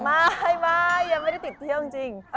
ไม่ยังไม่ได้ติดเที่ยวจริง